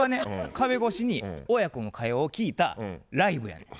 壁越しに親子の会話を聞いたライブやねん。